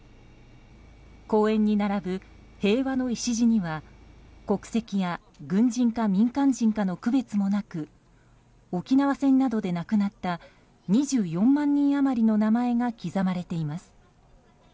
公園に並ぶ平和の礎には国籍や軍人か民間人かの区別もなく沖縄戦などで亡くなった２４万人余りの名前が刻まれています。